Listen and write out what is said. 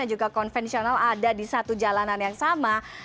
dan juga konvensional ada di satu jalanan yang sama